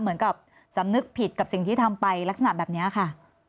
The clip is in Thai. เหมือนกับสำนึกผิดกับสิ่งที่ทำไปลักษณะแบบนี้ค่ะ